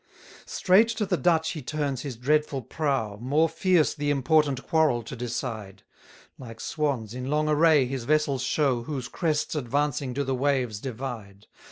66 Straight to the Dutch he turns his dreadful prow, More fierce the important quarrel to decide: Like swans, in long array his vessels show, Whose crests advancing do the waves divide.